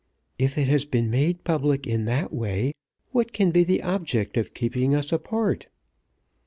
"If it has been made public in that way, what can be the object of keeping us apart?